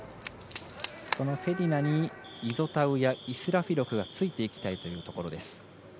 そのフェディナにイゾタウやイスラフィロフがついていきたいというところです。